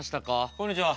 ・こんにちは。